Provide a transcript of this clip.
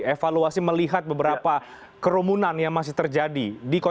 evaluasi melihat beberapa kerumunan yang masih terjadi di ktp